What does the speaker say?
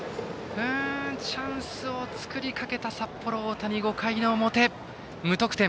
チャンスを作りかけた札幌大谷５回の表、無得点。